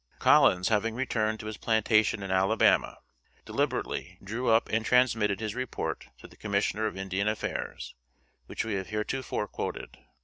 Collins having returned to his plantation in Alabama, deliberately, drew up and transmitted his report to the Commissioner of Indian Affairs, which we have heretofore quoted.